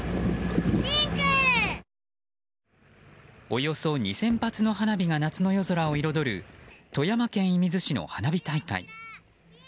およそ２０００発の花火が夏の夜空を彩る富山県射水市の花火大会。